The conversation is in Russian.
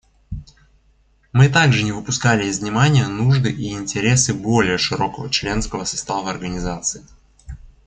Мы также не выпускали из внимания нужды и интересы более широкого членского состава Организации.